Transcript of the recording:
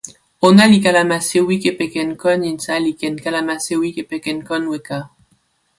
ona li kalama sewi kepeken kon insa li ken kalama sewi kepeken kon weka.